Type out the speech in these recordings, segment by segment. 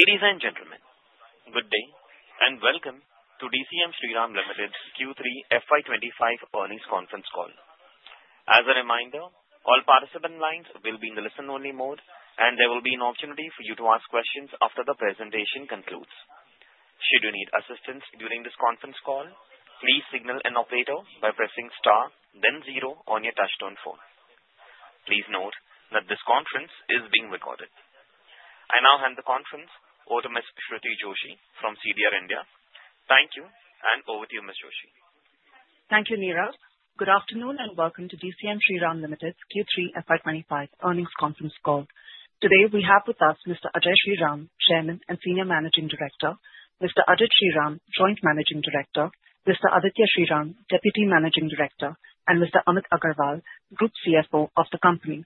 Ladies and gentlemen, good day and welcome to DCM Shriram Limited Q3 FY 2025 Earnings Conference Call. As a reminder, all participant lines will be in the listen-only mode, and there will be an opportunity for you to ask questions after the presentation concludes. Should you need assistance during this conference call, please signal an operator by pressing star, then zero on your touch-tone phone. Please note that this conference is being recorded. I now hand the conference over to Ms. Shruti Joshi from CDR India. Thank you, and over to you, Ms. Joshi. Thank you, Nirav. Good afternoon and welcome to DCM Shriram Limited Q3 FY 2025 Earnings Conference Call. Today we have with us Mr. Ajay Shriram, Chairman and Senior Managing Director, Mr. Ajit Shriram, Joint Managing Director, Mr. Aditya Shriram, Deputy Managing Director, and Mr. Amit Agarwal, Group CFO of the company.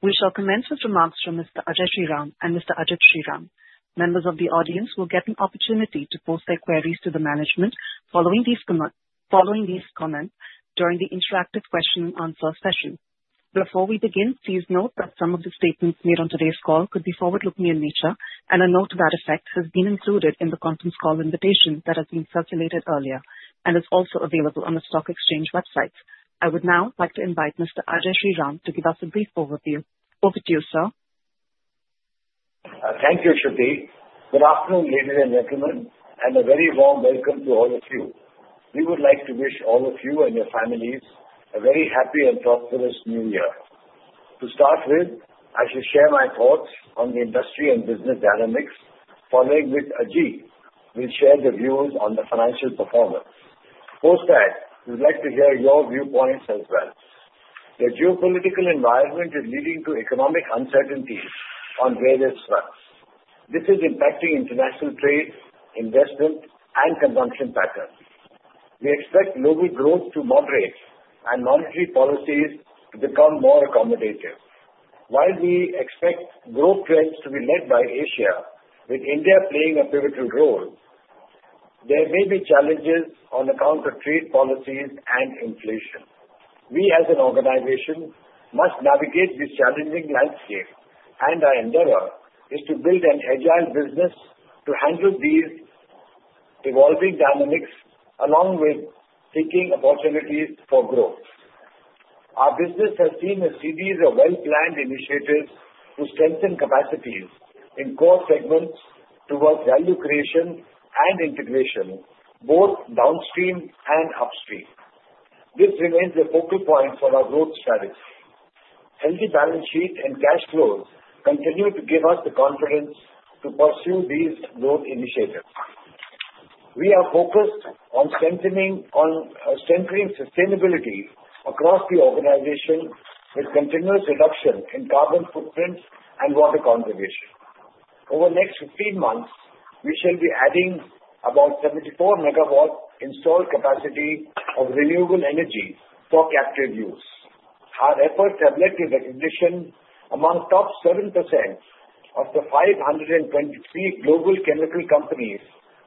We shall commence with remarks from Mr. Ajay Shriram and Mr. Ajit Shriram. Members of the audience will get an opportunity to post their queries to the management following these comments during the interactive question-and-answer session. Before we begin, please note that some of the statements made on today's call could be forward-looking in nature, and a note to that effect has been included in the conference call invitation that has been circulated earlier and is also available on the stock exchange website. I would now like to invite Mr. Ajay Shriram to give us a brief overview. Over to you, sir. Thank you, Shruti. Good afternoon, ladies and gentlemen, and a very warm welcome to all of you. We would like to wish all of you and your families a very happy and prosperous New Year. To start with, I shall share my thoughts on the industry and business dynamics, followed by Ajay will share the views on the financial performance. Post that, we would like to hear your viewpoints as well. The geopolitical environment is leading to economic uncertainties on various fronts. This is impacting international trade, investment, and consumption patterns. We expect global growth to moderate and monetary policies to become more accommodative. While we expect growth trends to be led by Asia, with India playing a pivotal role, there may be challenges on account of trade policies and inflation. We, as an organization, must navigate this challenging landscape, and our endeavor is to build an agile business to handle these evolving dynamics along with seeking opportunities for growth. Our business has seen a series of well-planned initiatives to strengthen capacities in core segments towards value creation and integration, both downstream and upstream. This remains a focal point for our growth strategy. Healthy balance sheets and cash flows continue to give us the confidence to pursue these growth initiatives. We are focused on strengthening sustainability across the organization with continuous reduction in carbon footprint and water conservation. Over the next 15 months, we shall be adding about 74 MW installed capacity of renewable energy for captive use. Our efforts have led to recognition among the top 7% of the 523 global chemical companies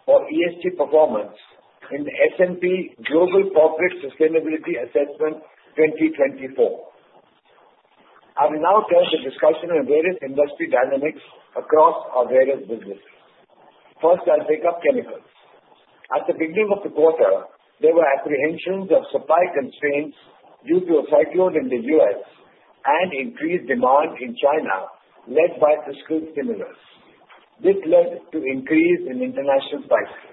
for ESG performance in the S&P Global Corporate Sustainability Assessment 2024. I will now turn to discussion on various industry dynamics across our various businesses. First, I'll pick up chemicals. At the beginning of the quarter, there were apprehensions of supply constraints due to a cyclone in the U.S. and increased demand in China led by fiscal stimulus. This led to an increase in international prices.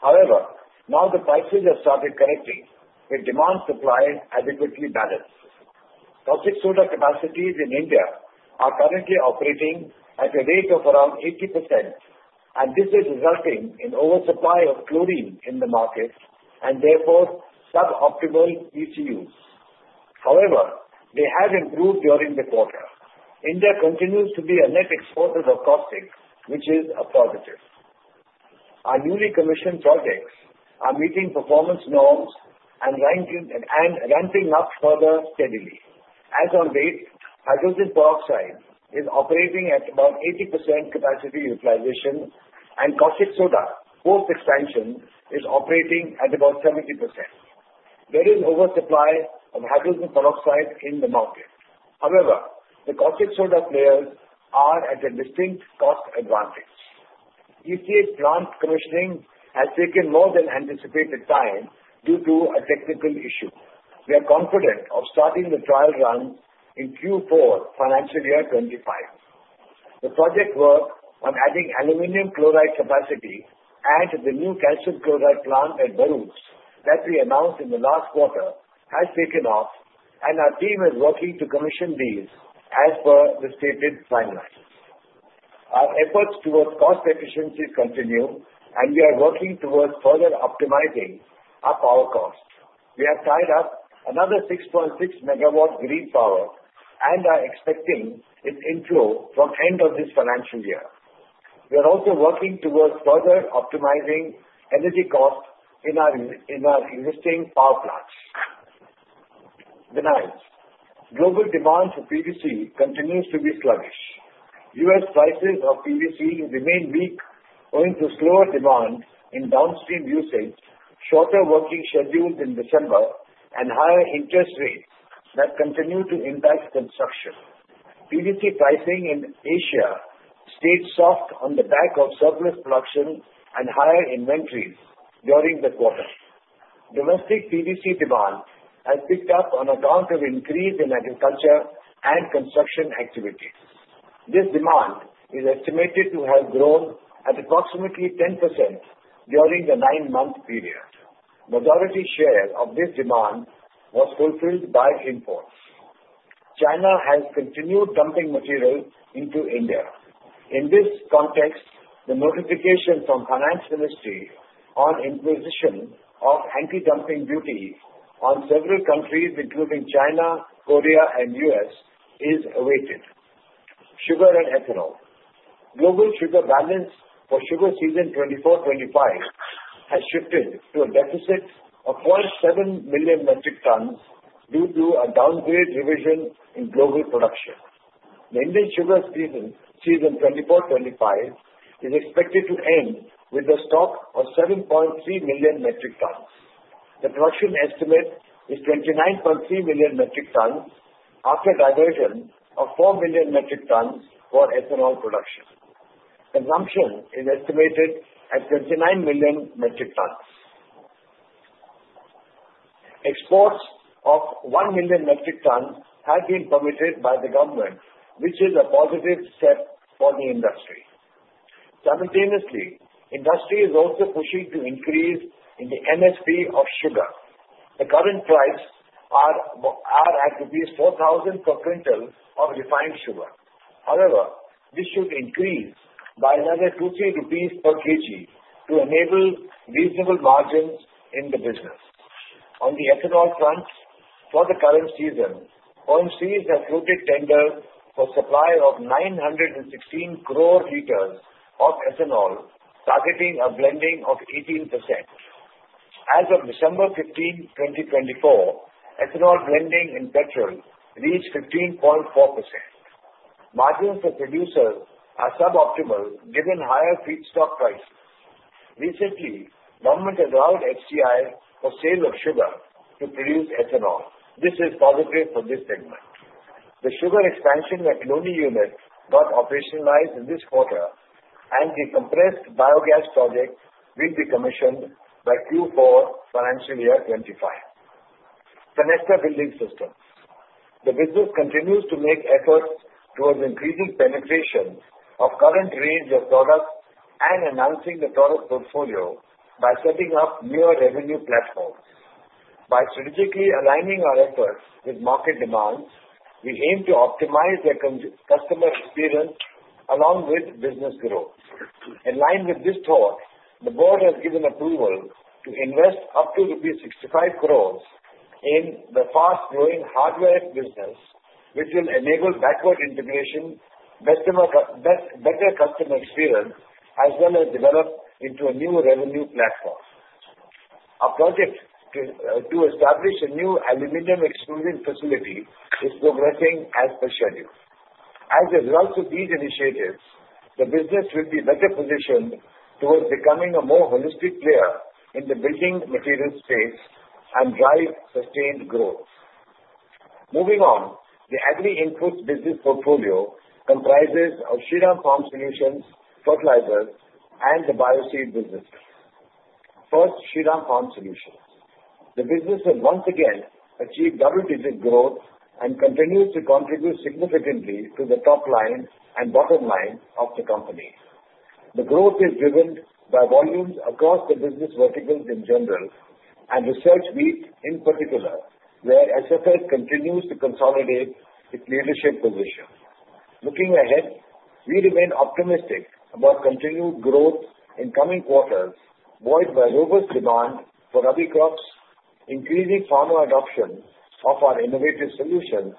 However, now the prices have started correcting, with demand-supply adequately balanced. Caustic soda capacities in India are currently operating at a rate of around 80%, and this is resulting in an oversupply of chlorine in the market and therefore suboptimal ECUs. However, they have improved during the quarter. India continues to be a net exporter of caustics, which is a positive. Our newly commissioned projects are meeting performance norms and ramping up further steadily. As of late, hydrogen peroxide is operating at about 80% capacity utilization, and caustic soda post-expansion is operating at about 70%. There is an oversupply of hydrogen peroxide in the market. However, the caustic soda players are at a distinct cost advantage. ECH plant commissioning has taken more than anticipated time due to a technical issue. We are confident of starting the trial run in Q4 financial year 25. The project work on adding aluminum chloride capacity and the new calcium chloride plant at Bharuch that we announced in the last quarter has taken off, and our team is working to commission these as per the stated timelines. Our efforts towards cost efficiency continue, and we are working towards further optimizing our power costs. We have tied up another 6.6 MW of green power, and are expecting its inflow from the end of this financial year. We are also working towards further optimizing energy costs in our existing power plants. Global demand for PVC continues to be sluggish. U.S. prices of PVC remain weak, owing to slower demand in downstream usage, shorter working schedules in December, and higher interest rates that continue to impact construction. PVC pricing in Asia stayed soft on the back of surplus production and higher inventories during the quarter. Domestic PVC demand has picked up on account of an increase in agriculture and construction activities. This demand is estimated to have grown at approximately 10% during the nine-month period. The majority share of this demand was fulfilled by imports. China has continued dumping materials into India. In this context, the notification from the Finance Ministry on imposition of anti-dumping duties on several countries, including China, Korea, and the U.S., is awaited. Sugar and Ethanol: Global sugar balance for sugar season 2024-2025 has shifted to a deficit of 0.7 million metric tons due to a downgrade revision in global production. The Indian sugar season 2024-2025 is expected to end with a stock of 7.3 million metric tons. The production estimate is 29.3 million metric tons after a diversion of 4 million metric tons for ethanol production. Consumption is estimated at 29 million metric tons. Exports of 1 million metric tons have been permitted by the government, which is a positive step for the industry. Simultaneously, the industry is also pushing to increase the MSP of sugar. The current prices are at 4,000 per quintal of refined sugar. However, this should increase by another 2,300 rupees per kg to enable reasonable margins in the business. On the ethanol front, for the current season, OMC has floated tenders for a supply of 916 crore liters of ethanol, targeting a blending of 18%. As of December 15, 2024, ethanol blending in petrol reached 15.4%. Margins for producers are suboptimal given higher feedstock prices. Recently, the government allowed FCI for sale of sugar to produce ethanol. This is positive for this segment. The sugar expansion and co-generation unit got operationalized in this quarter, and the compressed biogas project will be commissioned by Q4 financial year 2025. Fenesta Building Systems. The business continues to make efforts towards increasing penetration of the current range of products and enhancing the product portfolio by setting up newer revenue platforms. By strategically aligning our efforts with market demands, we aim to optimize the customer experience along with business growth. In line with this thought, the board has given approval to invest up to rupees 65 crores in the fast-growing hardware business, which will enable backward integration, better customer experience, as well as develop into a new revenue platform. Our project to establish a new aluminum extrusion facility is progressing as per schedule. As a result of these initiatives, the business will be better positioned towards becoming a more holistic player in the building materials space and drive sustained growth. Moving on, the agri-inputs business portfolio comprises of Shriram Farm Solutions fertilizers and the Bioseed businesses. First, Shriram Farm Solutions: The business has once again achieved double-digit growth and continues to contribute significantly to the top line and bottom line of the company. The growth is driven by volumes across the business verticals in general and Research Wheat in particular, where SFS continues to consolidate its leadership position. Looking ahead, we remain optimistic about continued growth in coming quarters, buoyed by robust demand for rabi crops, increasing farmer adoption of our innovative solutions,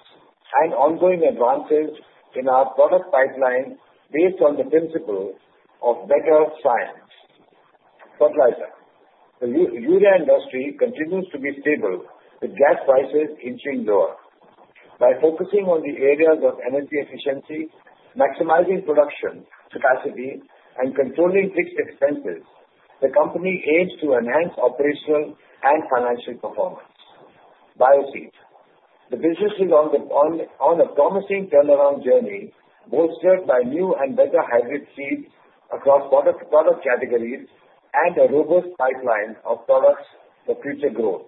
and ongoing advances in our product pipeline based on the principle of better science. Fertilizer: The urea industry continues to be stable, with gas prices inching lower. By focusing on the areas of energy efficiency, maximizing production capacity, and controlling fixed expenses, the company aims to enhance operational and financial performance. Bioseed: The business is on a promising turnaround journey, bolstered by new and better hybrid seeds across product categories and a robust pipeline of products for future growth.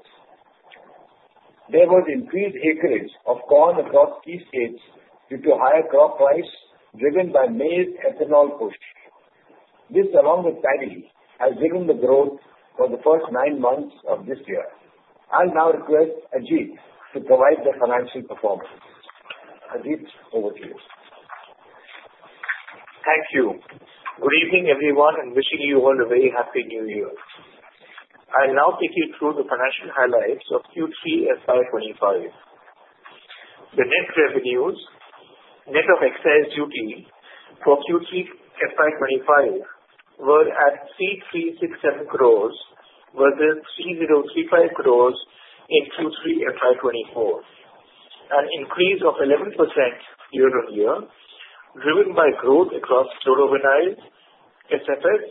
There was increased acreage of corn across key states due to higher crop prices driven by maize's ethanol push. This, along with paddy, has driven the growth for the first nine months of this year. I'll now request Ajit to provide the financial performance. Ajit, over to you. Thank you. Good evening, everyone, and wishing you all a very happy New Year. I'll now take you through the financial highlights of Q3 FY 2025. The net revenues, net of excise duty for Q3 FY 2025, were at 3,367 crores versus 3,035 crores in Q3 FY 2024. An increase of 11% year-on-year, driven by growth across chloro-vinyl, SFS,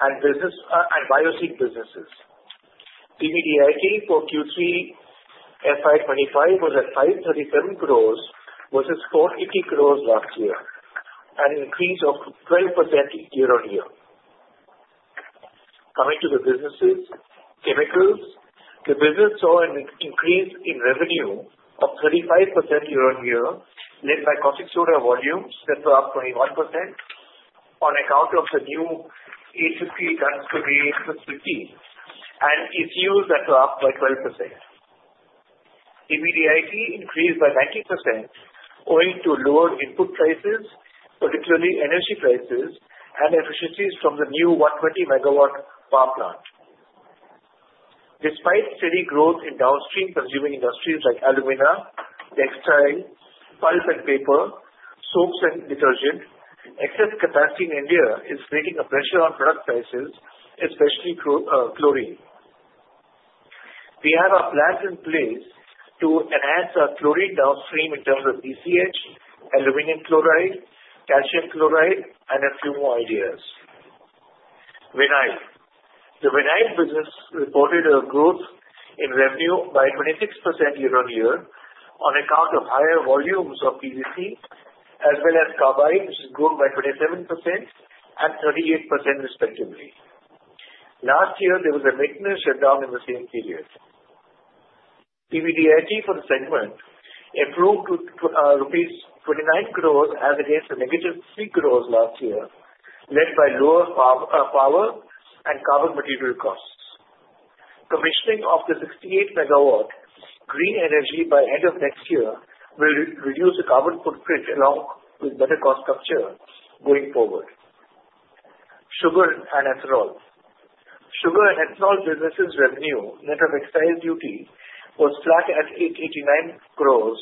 and Bioseed businesses. PBDIT for Q3 FY 2025 was at 537 crores versus 480 crores last year, an increase of 12% year-on-year. Coming to the businesses, chemicals: The business saw an increase in revenue of 35% year-on-year, led by caustic soda volumes that were up 21% on account of the new 850 tonne capacity facility and ECUs that were up by 12%. PBDIT increased by 90%, owing to lower input prices, particularly energy prices and efficiencies from the new 120-megawatt power plant. Despite steady growth in downstream consuming industries like alumina, textile, pulp and paper, soaps and detergent, excess capacity in India is creating a pressure on product prices, especially chlorine. We have our plans in place to enhance our chlorine downstream in terms of ECH, aluminum chloride, calcium chloride, and a few more ideas. Vinyl: The vinyl business reported a growth in revenue by 26% year-on-year on account of higher volumes of PVC, as well as carbide, which is growing by 27% and 38%, respectively. Last year, there was a maintenance shutdown in the same period. PBDIT for the segment improved to rupees 29 crores as against the negative 3 crores last year, led by lower power and carbon material costs. Commissioning of the 68 MW green energy by end of next year will reduce the carbon footprint along with better cost structure going forward. Sugar and ethanol: Sugar and ethanol businesses' revenue, net of excise duty, was flat at 889 crores,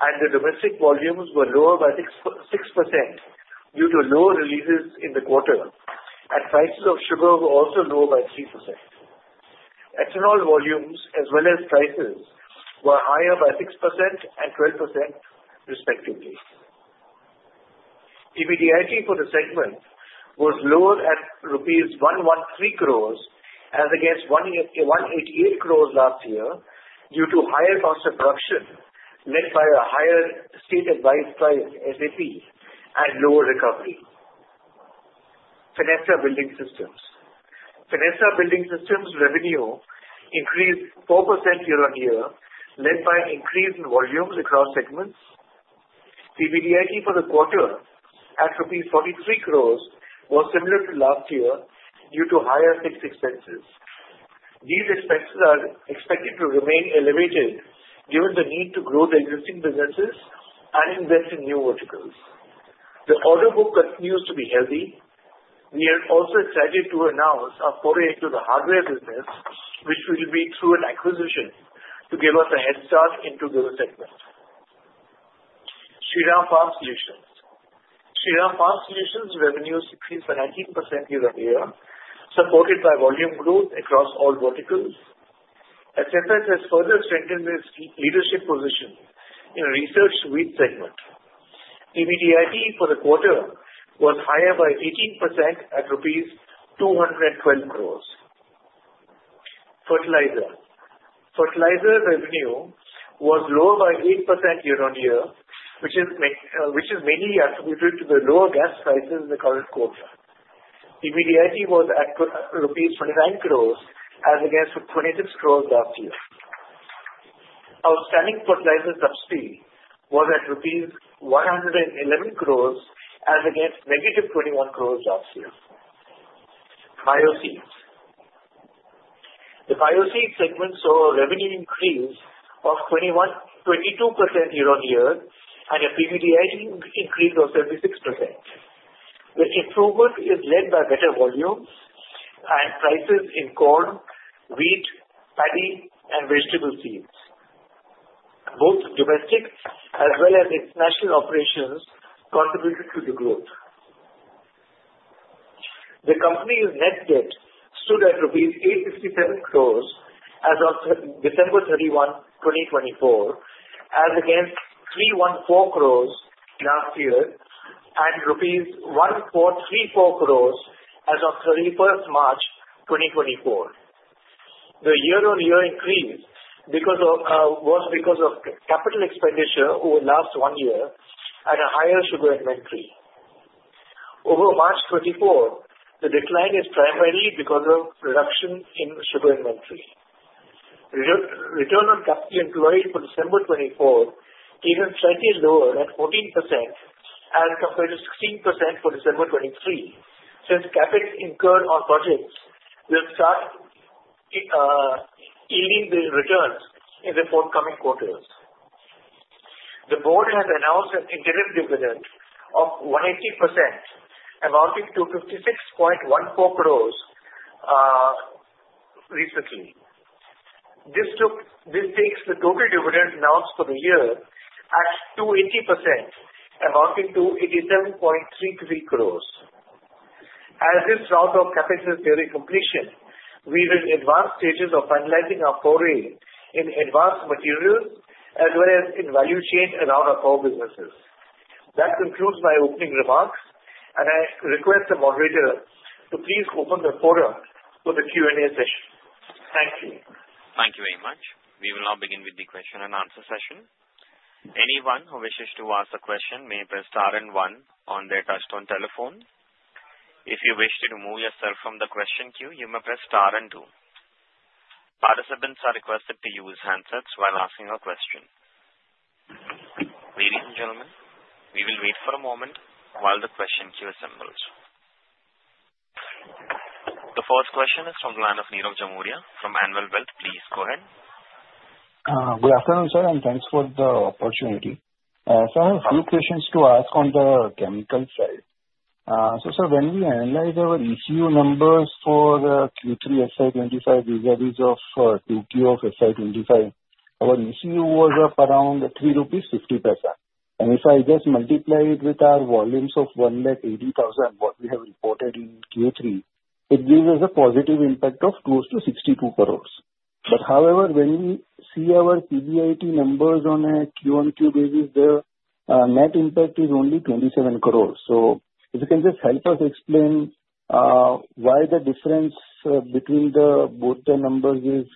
and the domestic volumes were lower by 6% due to low releases in the quarter, and prices of sugar were also lower by 3%. Ethanol volumes, as well as prices, were higher by 6% and 12%, respectively. PBDIT for the segment was lower at rupees 113 crores as against 188 crores last year due to higher cost of production, led by a higher state-advised price, SAP, and lower recovery. Fenesta building systems: Fenesta building systems' revenue increased 4% year-on-year, led by increased volumes across segments. PBDIT for the quarter, at INR 43 crores, was similar to last year due to higher fixed expenses. These expenses are expected to remain elevated given the need to grow the existing businesses and invest in new verticals. The order book continues to be healthy. We are also excited to announce our foray into the hardware business, which will be through an acquisition to give us a head start into the segment. Shriram Farm Solutions: Shriram Farm Solutions' revenues increased by 19% year-on-year, supported by volume growth across all verticals. SFS has further strengthened its leadership position in the Research Wheat segment. PBDIT for the quarter was higher by 18% at rupees 212 crores. Fertilizer: Fertilizer revenue was lower by 8% year-on-year, which is mainly attributed to the lower gas prices in the current quarter. PBDIT was at rupees 29 crores as against 26 crores last year. Outstanding fertilizer subsidy was at rupees 111 crores as against negative 21 crores last year. Bioseed: The Bioseed segment saw a revenue increase of 22% year-on-year, and PBDIT increased by 76%. The improvement is led by better volumes and prices in corn, wheat, paddy, and vegetable seeds. Both domestic as well as international operations contributed to the growth. The company's net debt stood at rupees 867 crores as of December 31, 2024, as against 314 crores last year and rupees 134 crores as of March 31, 2024. The year-on-year increase was because of capital expenditure over the last one year and a higher sugar inventory. Over March 2024, the decline is primarily because of reduction in sugar inventory. Return on capital employed for December 2024 came in slightly lower at 14% as compared to 16% for December 2023, since CapEx incurred on projects will start yielding returns in the forthcoming quarters. The board has announced an interim dividend of 180%, amounting to 56.14 crores recently. This takes the total dividend announced for the year at 280%, amounting to 87.33 crores. As this round of CapEx is nearly completion, we will advance stages of finalizing our foray in advanced materials as well as in value chain around our core businesses. That concludes my opening remarks, and I request the moderator to please open the forum for the Q&A session. Thank you. Thank you very much. We will now begin with the question-and-answer session. Anyone who wishes to ask a question may press star and one on their touch-tone telephone. If you wish to remove yourself from the question queue, you may press star and two. Participants are requested to use handsets while asking a question. Ladies and gentlemen, we will wait for a moment while the question queue assembles. The first question is from the line of Nirav Jimudia from Anvil Wealth. Please go ahead. Good afternoon, sir, and thanks for the opportunity. Sir, I have a few questions to ask on the chemical side. So, sir, when we analyze our ECU numbers for Q3 FY 2025 vis-à-vis of 2Q of FY 2025, our ECU was up around INR 3.50%. And if I just multiply it with our volumes of 180,000, what we have reported in Q3, it gives us a positive impact of close to 62 crores. But however, when we see our PBDIT numbers on a Q-on-Q basis, the net impact is only 27 crores. So if you can just help us explain why the difference between both the numbers is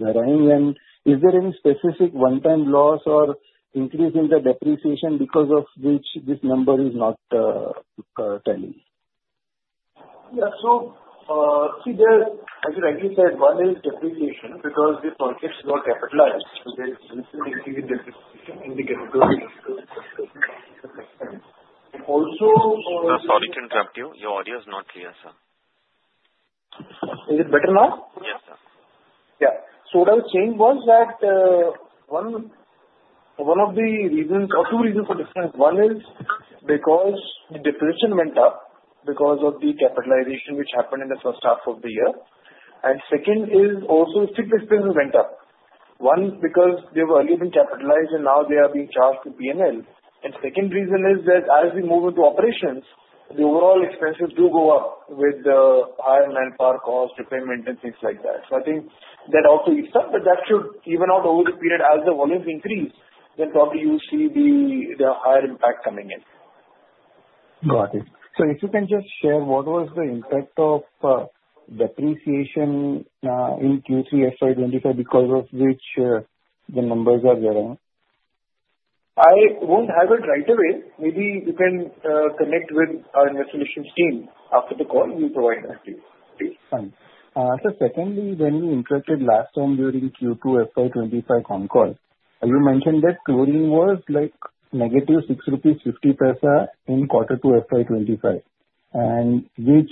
varying, and is there any specific one-time loss or increase in the depreciation because of which this number is not telling? Yeah, so see, as you rightly said, one is depreciation because the projects were capitalized, so there's increase in depreciation in the capital expenses. Also, sir, sorry to interrupt you, your audio is not clear, sir. Is it better now? Yes, sir. Yeah. So what I would change was that one of the reasons, or two reasons for difference, one is because the depreciation went up because of the capitalization which happened in the first half of the year. And second is also fixed expenses went up. One, because they were already being capitalized, and now they are being charged to P&L. And second reason is that as we move into operations, the overall expenses do go up with the higher manpower cost, repayment, and things like that. So I think that also leads to that, but that should even out over the period. As the volumes increase, then probably you see the higher impact coming in. Got it. So if you can just share what was the impact of depreciation in Q3 FY 2025 because of which the numbers are varying? I won't have it right away. Maybe you can connect with our Investor Relations team after the call. You provide that, please. Fine. So, secondly, when we interacted last time during Q2 FY 2025 call, you mentioned that chlorine was negative INR 6.50% in quarter two FY 2025, and which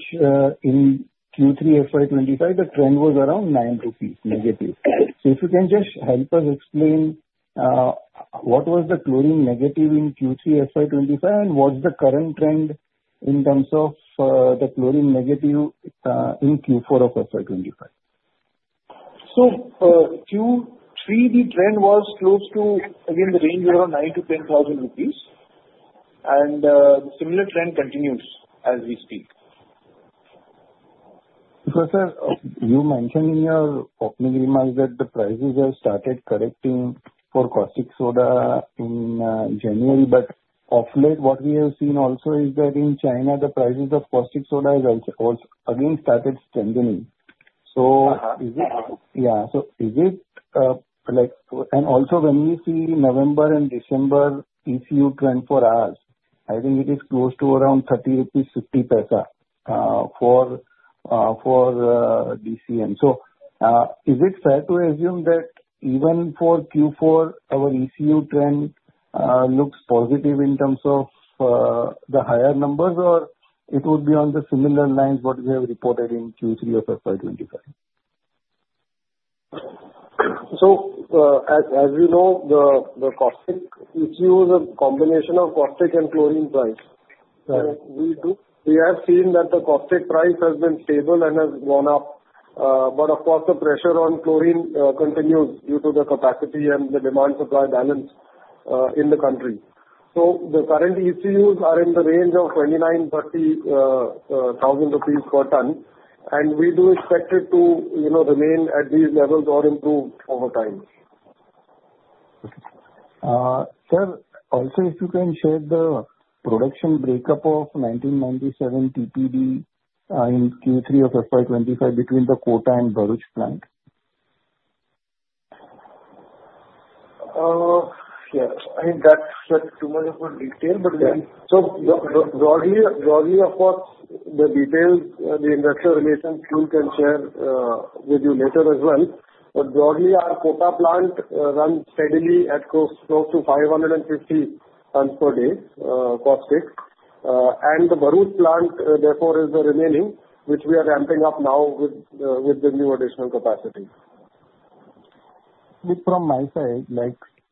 in Q3 FY 2025, the trend was around 9 rupees negative. So if you can just help us explain what was the chlorine negative in Q3 FY 2025, and what's the current trend in terms of the chlorine negative in Q4 of FY 2025? So Q3, the trend was close to, again, the range around 9,000-10,000 rupees, and the similar trend continues as we speak. So, sir, you mentioned in your opening remarks that the prices have started correcting for caustic soda in January, but of late, what we have seen also is that in China, the prices of caustic soda have also, again, started strengthening. So, is it like that? And also, when we see November and December ECU trend for us, I think it is close to around 30,500 rupees for DCM. So, is it fair to assume that even for Q4, our ECU trend looks positive in terms of the higher numbers, or it would be on the similar lines what we have reported in Q3 of FY 2025? So, as you know, the caustic ECU is a combination of caustic and chlorine price. We have seen that the caustic price has been stable and has gone up, but of course, the pressure on chlorine continues due to the capacity and the demand-supply balance in the country. So the current ECUs are in the range of 29,000-30,000 rupees per ton, and we do expect it to remain at these levels or improve over time. Sir, also, if you can share the production breakup of 1,997 TPD in Q3 of FY 2025 between the Kota and Bharuch plants? Yeah. I mean, that's too much of a detail, but we—so broadly, of course, the details, the IR team can share with you later as well. But broadly, our Kota plant runs steadily at close to 550 tons per day caustic, and the Bharuch plant, therefore, is the remaining, which we are ramping up now with the new additional capacity. From my side,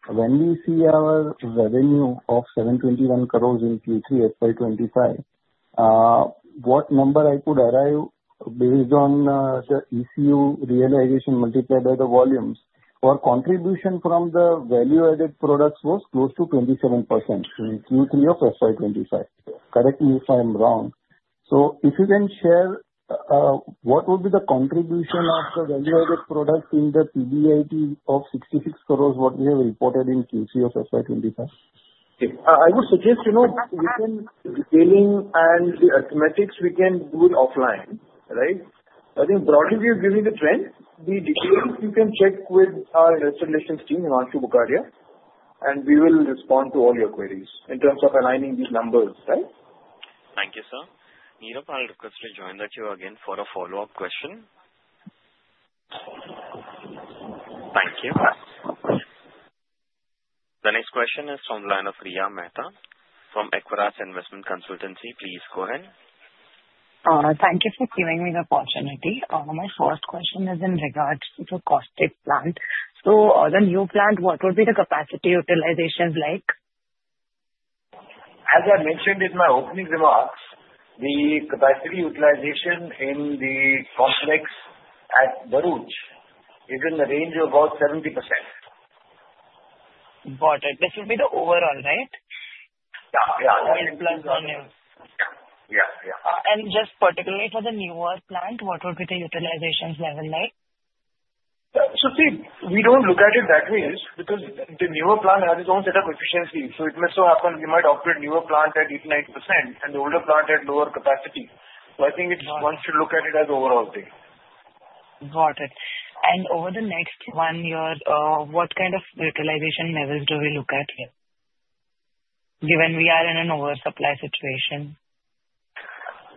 when we see our revenue of 721 crores in Q3 FY 2025, what number I could arrive based on the ECU realization multiplied by the volumes, our contribution from the value-added products was close to 27% in Q3 of FY 2025. Correct me if I'm wrong. So if you can share, what would be the contribution of the value-added product in the PBDIT of 66 crores what we have reported in Q3 of FY 2025? I would suggest we can take the detailing and the arithmetics offline, right? So I think broadly, we are giving the trend. The details, you can check with our Investor Relations team in Anshu Bhagadia, and we will respond to all your queries in terms of aligning these numbers, right? Thank you, sir. Nirav, I'll request you to join the queue again for a follow-up question. Thank you. The next question is from the line of Riya Mehta from Aequitas Investment Consultancy. Please go ahead. Thank you for giving me the opportunity. My first question is in regards to the caustic plant. So the new plant, what would be the capacity utilization like? As I mentioned in my opening remarks, the capacity utilization in the complex at Bharuch is in the range of about 70%. Got it. This would be the overall, right? Yeah, yeah. Yeah, yeah. And just particularly for the newer plant, what would be the utilization level like? So see, we don't look at it that way because the newer plant has its own set of efficiencies. So it may so happen we might operate newer plant at 89% and the older plant at lower capacity. So I think it's one should look at it as overall thing. Got it. Over the next one year, what kind of utilization levels do we look at here? Given we are in an oversupply situation.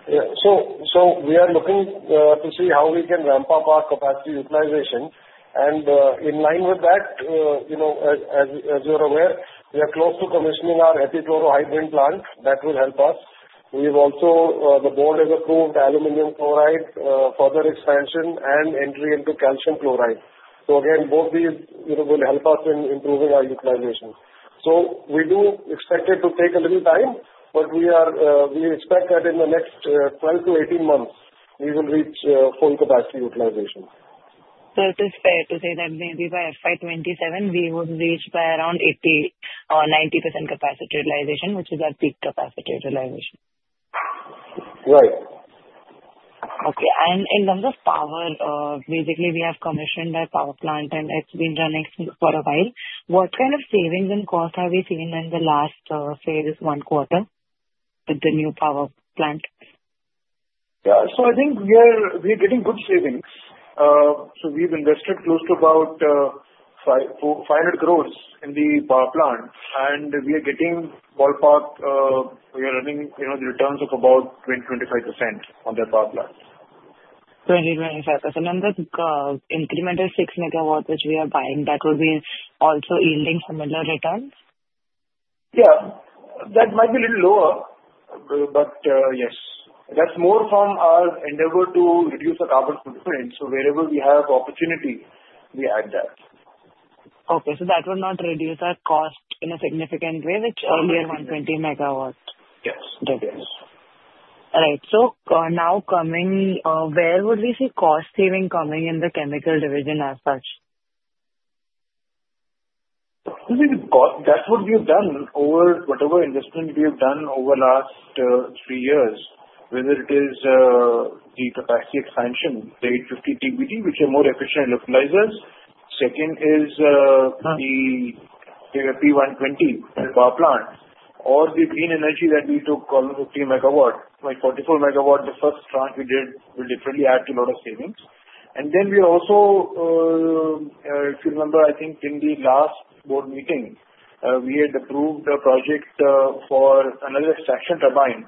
Yeah. So we are looking to see how we can ramp up our capacity utilization. And in line with that, as you're aware, we are close to commissioning our epichlorohydrin plant. That will help us. We've also, the board has approved aluminum chloride further expansion and entry into calcium chloride. So again, both these will help us in improving our utilization. So we do expect it to take a little time, but we expect that in the next 12 to 18 months, we will reach full capacity utilization. So it is fair to say that maybe by FY 2027, we will reach by around 80% or 90% capacity utilization, which is our peak capacity utilization. Right. Okay. In terms of power, basically, we have commissioned our power plant, and it's been running for a while. What kind of savings and costs have we seen in the last phase, one quarter, with the new power plant? Yeah. I think we are getting good savings. We've invested close to about 500 crore in the power plant, and we are getting ballpark, we are running the returns of about 20%-25% on the power plant. 20%-25%. And that incremental 6 MW which we are buying, that would be also yielding similar returns? Yeah. That might be a little lower, but yes. That's more from our endeavor to reduce the carbon footprint. So wherever we have opportunity, we add that. Okay. That will not reduce our cost in a significant way, which earlier 120 MW. Yes. Yes. All right. So, now coming, where would we see cost savings coming in the chemical division as such? I think that's what we have done over whatever investment we have done over the last three years, whether it is the capacity expansion, the 850 TPD, which are more efficient electrolyzers. Second is the 120 power plant, or the green energy that we took 15 MW. By 44 MW, the first tranche we did will definitely add to a lot of savings. And then we are also, if you remember, I think in the last board meeting, we had approved a project for another extraction turbine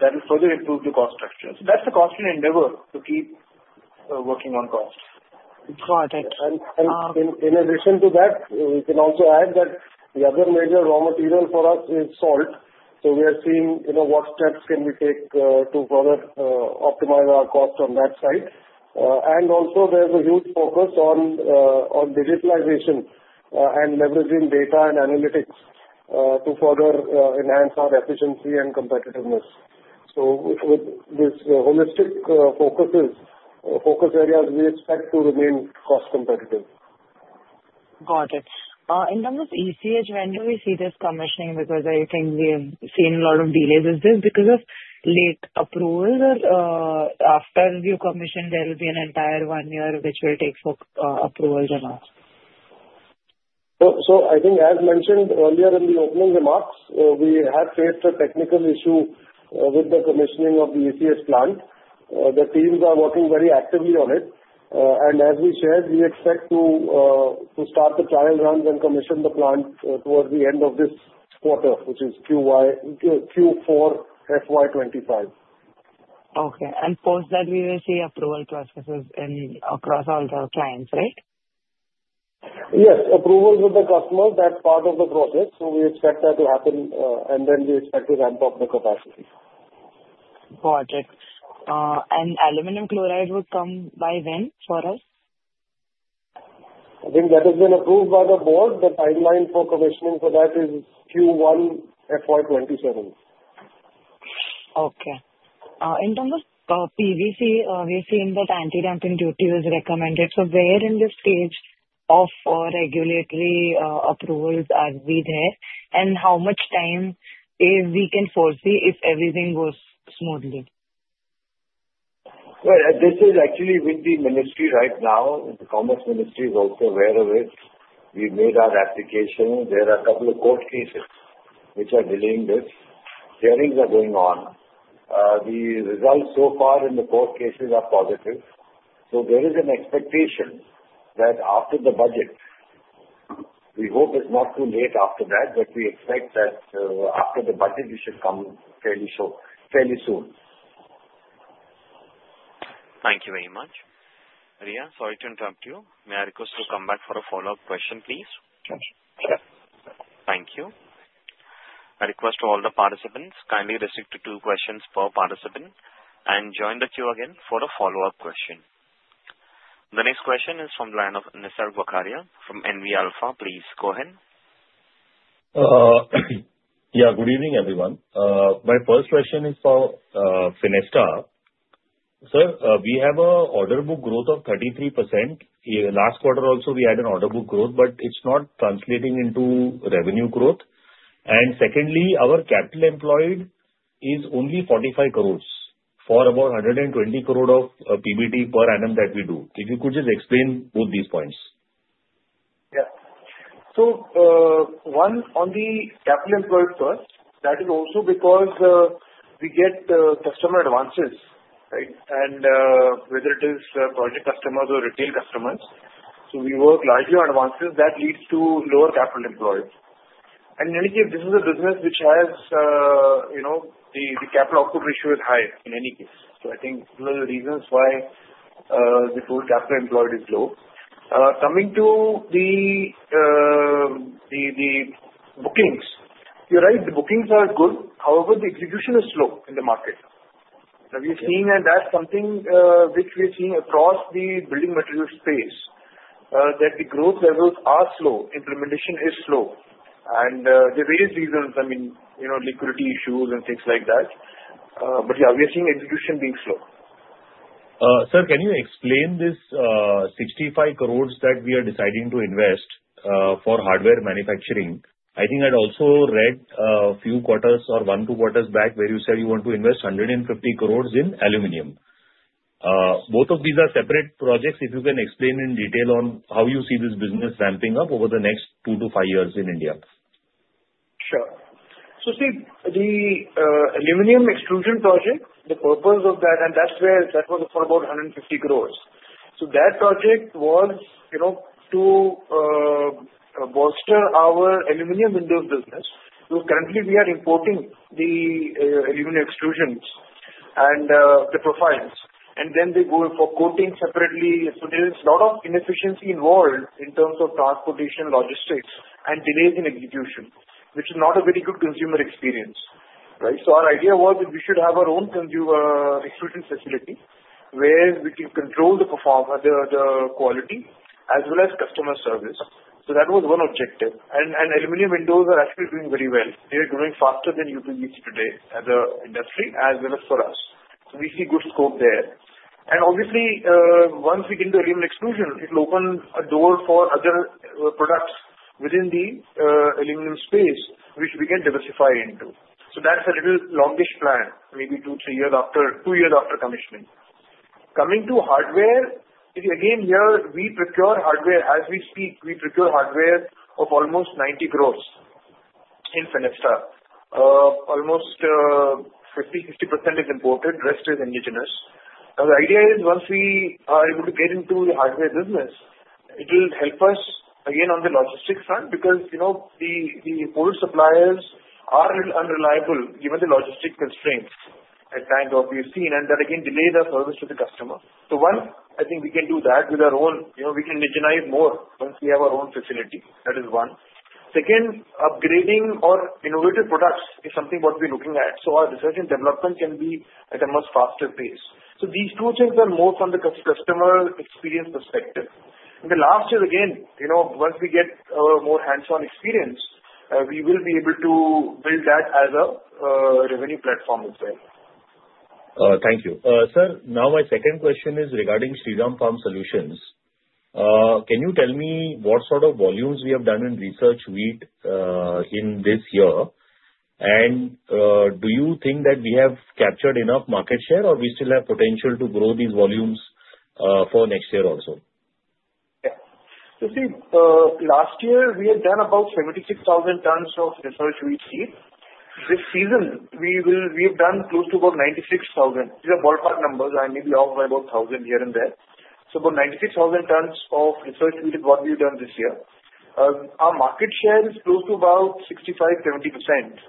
that will further improve the cost structure. So that's a constant endeavor to keep working on cost. Got it. And in addition to that, we can also add that the other major raw material for us is salt. So we are seeing what steps can we take to further optimize our cost on that side. And also, there's a huge focus on digitalization and leveraging data and analytics to further enhance our efficiency and competitiveness. So with this holistic focus areas, we expect to remain cost competitive. Got it. In terms of ECH, when do we see this commissioning? Because I think we have seen a lot of delays. Is this because of late approvals, or after you commission, there will be an entire one year which will take approvals and all? So I think, as mentioned earlier in the opening remarks, we have faced a technical issue with the commissioning of the ECH plant. The teams are working very actively on it. And as we shared, we expect to start the trial runs and commission the plant towards the end of this quarter, which is Q4 FY 2025. Okay. And post that, we will see approval processes across all the clients, right? Yes. Approvals with the customers, that's part of the process. So we expect that to happen, and then we expect to ramp up the capacity. Got it. And aluminum chloride will come by when for us? I think that has been approved by the board. The timeline for commissioning for that is Q1 FY 2027. Okay. In terms of PVC, we have seen that anti-dumping duty was recommended. So where in this stage of regulatory approvals are we there, and how much time we can foresee if everything goes smoothly? Well, this is actually with the ministry right now. The Commerce Ministry is also aware of it. We've made our application. There are a couple of court cases which are dealing with. Hearings are going on. The results so far in the court cases are positive. So there is an expectation that after the budget, we hope it's not too late after that, but we expect that after the budget, it should come fairly soon. Thank you very much. Riya, sorry to interrupt you. May I request to come back for a follow-up question, please? Sure. Sure. Thank you. I request all the participants kindly restrict to two questions per participant and join the queue again for a follow-up question. The next question is from the line of Nisarg Vakharia from NV Alpha. Please go ahead. Yeah. Good evening, everyone. My first question is for Fenesta. Sir, we have an order book growth of 33%. Last quarter, also, we had an order book growth, but it's not translating into revenue growth. And secondly, our capital employed is only 45 crores for about 120 crores of PBT per annum that we do. If you could just explain both these points. Yeah. So, one, on the capital employed first, that is also because we get customer advances, right? And whether it is project customers or retail customers. So we work largely on advances that lead to lower capital employed. And in any case, this is a business which has the capital output ratio is high in any case. So I think those are the reasons why the total capital employed is low. Coming to the bookings, you're right. The bookings are good. However, the execution is slow in the market. Now, we are seeing. That's something which we are seeing across the building material space, that the growth levels are slow. Implementation is slow. And there are various reasons, I mean, liquidity issues and things like that. But yeah, we are seeing execution being slow. Sir, can you explain this 65 crore that we are deciding to invest for hardware manufacturing? I think I'd also read a few quarters or one two quarters back where you said you want to invest 150 crore in aluminum. Both of these are separate projects. If you can explain in detail on how you see this business ramping up over the next two to five years in India? Sure. So see, the aluminum extrusion project, the purpose of that, and that was for about 150 crore. So that project was to bolster our aluminum windows business. Currently, we are importing the aluminum extrusions and the profiles, and then they go for coating separately. So there is a lot of inefficiency involved in terms of transportation, logistics, and delays in execution, which is not a very good consumer experience, right? Our idea was that we should have our own extrusion facility where we can control the quality, as well as customer service. So that was one objective. And aluminum windows are actually doing very well. They are growing faster than UPVC today at the industry, as well as for us. So we see good scope there. And obviously, once we get into aluminum extrusion, it will open a door for other products within the aluminum space, which we can diversify into. So that's a little longish plan, maybe two years after commissioning. Coming to hardware, again, we procure hardware as we speak. We procure hardware of almost 90 crore in Fenesta. Almost 50%-60% is imported. The rest is indigenous. Now, the idea is once we are able to get into the hardware business, it will help us again on the logistics front because the old suppliers are a little unreliable given the logistic constraints at times that we have seen, and that again delays our service to the customer. So one, I think we can do that with our own. We can indigenize more once we have our own facility. That is one. Second, upgrading or innovative products is something what we're looking at. So our research and development can be at a much faster pace. So these two things are more from the customer experience perspective. And the last is, again, once we get more hands-on experience, we will be able to build that as a revenue platform as well. Thank you. Sir, now my second question is regarding Shriram Farm Solutions. Can you tell me what sort of volumes we have done in research wheat in this year? And do you think that we have captured enough market share, or we still have potential to grow these volumes for next year also? Yeah. So see, last year, we had done about 76,000 tons of research wheat seed. This season, we have done close to about 96,000. These are ballpark numbers. I may be off by about 1,000 here and there. So about 96,000 tons of research wheat is what we've done this year. Our market share is close to about 65%-70%.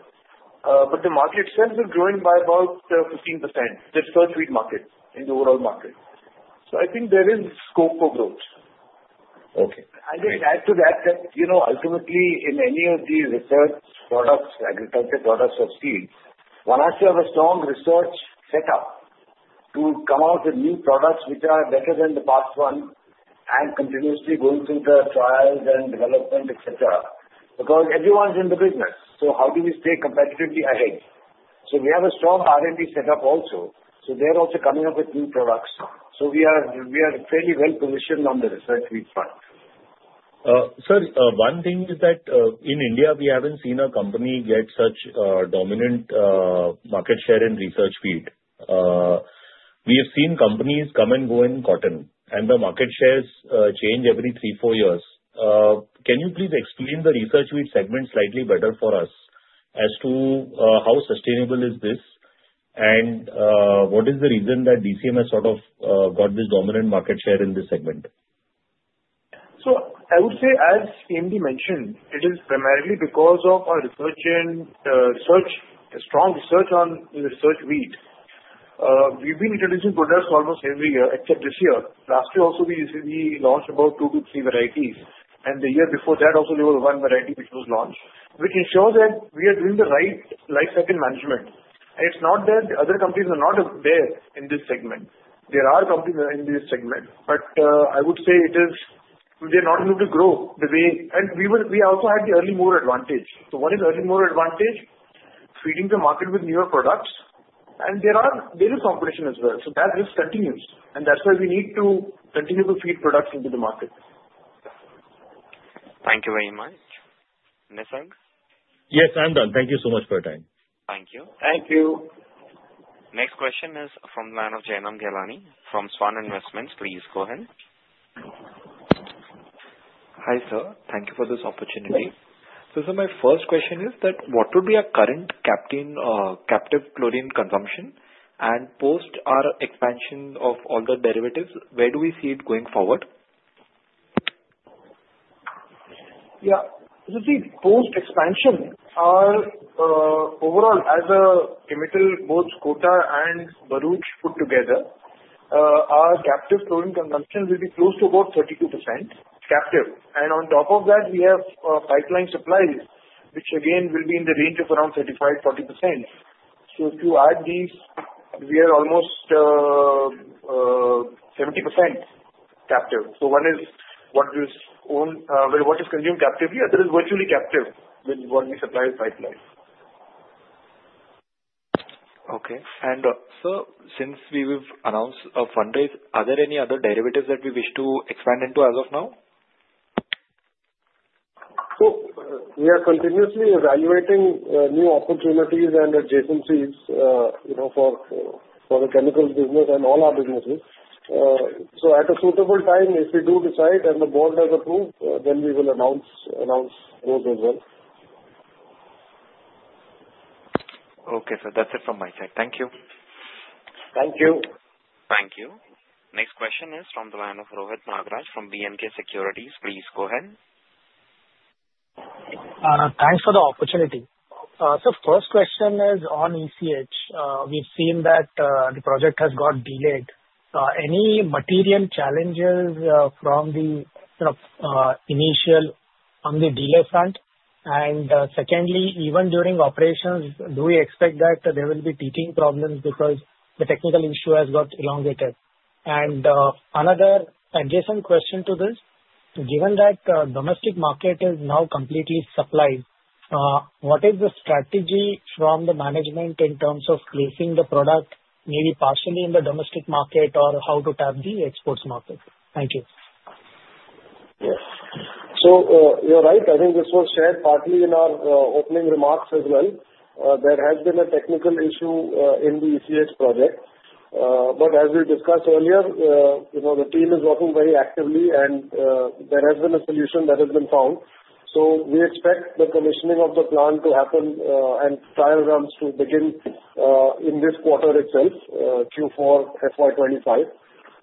But the market itself is growing by about 15%, the research wheat market, in the overall market. So I think there is scope for growth. And then add to that that ultimately, in any of these research products, agriculture products of seed, one has to have a strong research setup to come out with new products which are better than the past one and continuously going through the trials and development, etc. Because everyone's in the business. So how do we stay competitively ahead? So we have a strong R&D setup also. So they're also coming up with new products. So we are fairly well positioned on the Research Wheat front. Sir, one thing is that in India, we haven't seen a company get such a dominant market share in Research Wheat. We have seen companies come and go in cotton, and the market shares change every three, four years. Can you please explain the Research Wheat segment slightly better for us as to how sustainable is this, and what is the reason that DCM has sort of got this dominant market share in this segment? So I would say, as Ajay mentioned, it is primarily because of our research and strong research on Research Wheat. We've been introducing products almost every year, except this year. Last year also, we launched about two to three varieties, and the year before that, also there was one variety which was launched, which ensures that we are doing the right life cycle management. It's not that other companies are not there in this segment. There are companies in this segment, but I would say they're not able to grow the way we also had the early mover advantage. So what is early mover advantage? Feeding the market with newer products, and there is competition as well. So that risk continues, and that's why we need to continue to feed products into the market. Thank you very much. Nisarg? Yes, I'm done. Thank you so much for your time. Thank you. Thank you. Next question is from the line of Jainam Ghelani from Svan Investments. Please go ahead. Hi sir. Thank you for this opportunity. So sir, my first question is that what would be a current captive chlorine consumption and post our expansion of all the derivatives? Where do we see it going forward? Yeah. So see, post expansion, overall, as a chemical, both Kota and Bharuch put together, our captive chlorine consumption will be close to about 32% captive. And on top of that, we have pipeline supplies, which again will be in the range of around 35%-40%. So if you add these, we are almost 70% captive. So one is what is consumed captively, and the other is virtually captive with what we supply pipeline. Okay. And sir, since we've announced fundraise, are there any other derivatives that we wish to expand into as of now? So we are continuously evaluating new opportunities and adjacencies for the chemical business and all our businesses. So at a suitable time, if we do decide and the board has approved, then we will announce those as well. Okay. So that's it from my side. Thank you. Thank you. Thank you. Next question is from the line of Rohit Nagraj from B&K Securities. Please go ahead. Thanks for the opportunity. So first question is on ECH. We've seen that the project has got delayed. Any material challenges from the initial on the delay front? Secondly, even during operations, do we expect that there will be teething problems because the technical issue has got prolonged? Another adjacent question to this, given that the domestic market is now completely supplied, what is the strategy from the management in terms of placing the product maybe partially in the domestic market or how to tap the exports market? Thank you. Yes. You're right. I think this was shared partly in our opening remarks as well. There has been a technical issue in the ECH project, but as we discussed earlier, the team is working very actively, and there has been a solution that has been found. We expect the commissioning of the plant to happen and trial runs to begin in this quarter itself, Q4 FY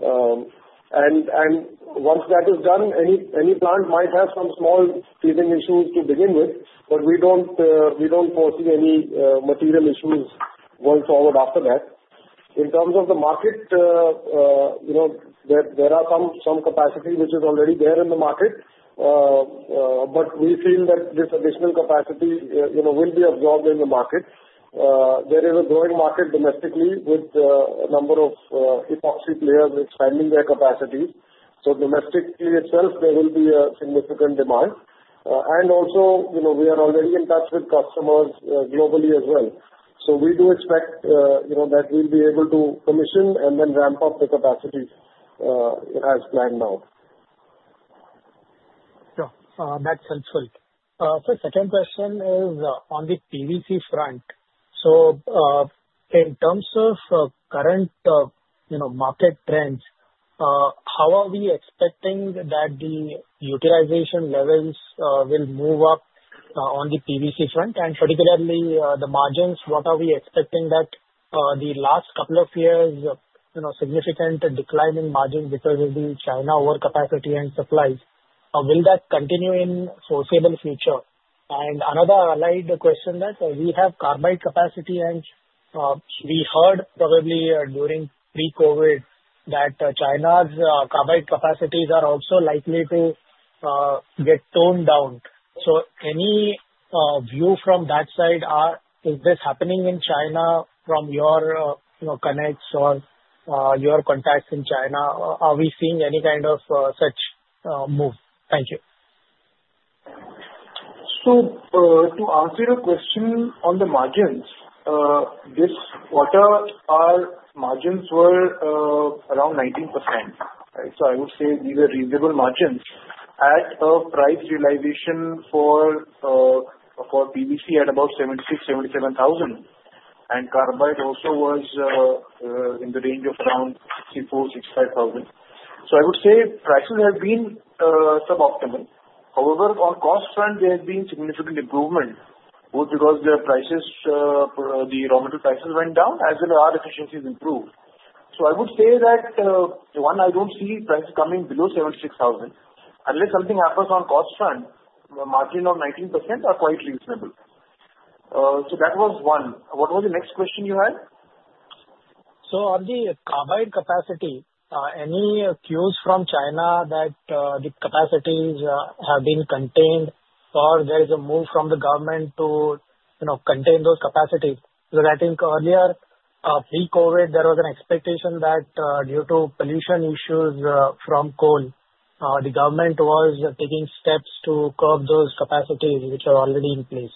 2025. And once that is done, any plant might have some small teething issues to begin with, but we don't foresee any material issues going forward after that. In terms of the market, there are some capacity which is already there in the market, but we feel that this additional capacity will be absorbed in the market. There is a growing market domestically with a number of epoxy players expanding their capacities. So domestically itself, there will be a significant demand. And also, we are already in touch with customers globally as well. So we do expect that we'll be able to commission and then ramp up the capacity as planned now. Sure. That's helpful. So second question is on the PVC front. So in terms of current market trends, how are we expecting that the utilization levels will move up on the PVC front? Particularly the margins, what are we expecting? That the last couple of years, significant decline in margins because of the China overcapacity and supplies? Will that continue in the foreseeable future? Another allied question that we have carbide capacity, and we heard probably during pre-COVID that China's carbide capacities are also likely to get toned down. Any view from that side, is this happening in China from your connects or your contacts in China? Are we seeing any kind of such move? Thank you. To answer your question on the margins, this quarter, our margins were around 19%. I would say these are reasonable margins at a price realization for PVC at about 76,000-77,000. Carbide also was in the range of around 64,000-65,000. I would say prices have been sub-optimal. However, on cost front, there has been significant improvement, both because the raw material prices went down, as well as our efficiencies improved. So I would say that one, I don't see prices coming below 76,000. Unless something happens on cost front, margin of 19% are quite reasonable. So that was one. What was the next question you had? So on the carbide capacity, any cues from China that the capacities have been contained, or there is a move from the government to contain those capacities? Because I think earlier, pre-COVID, there was an expectation that due to pollution issues from coal, the government was taking steps to curb those capacities which are already in place.